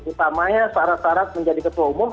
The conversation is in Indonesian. utamanya searat searat menjadi ketua umum